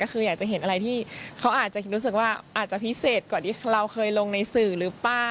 คืออยากจะเห็นอะไรที่เขาอาจจะรู้สึกว่าอาจจะพิเศษกว่าที่เราเคยลงในสื่อหรือเปล่า